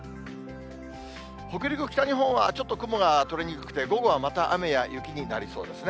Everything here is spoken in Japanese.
北陸、北日本はちょっと雲が取れにくくて、午後はまた雨や雪になりそうですね。